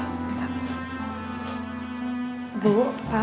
mungkin ibu udah selesai kok sholatnya